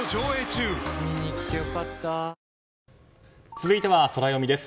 続いてはソラよみです。